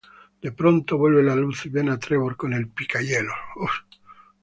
De pronto vuelve la luz y ven a Trevor con el pica hielo.